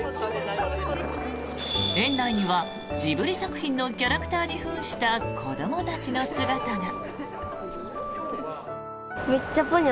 園内にはジブリ作品のキャラクターに扮した子どもたちの姿が。